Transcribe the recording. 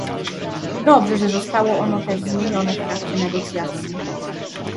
Dobrze, że zostało ono też zmienione w trakcie negocjacji